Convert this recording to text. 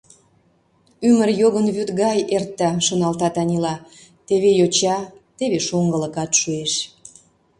«Ӱмыр йогын вӱд гай эрта, — шоналта Танила, — теве йоча, теве шоҥгылыкат шуэш».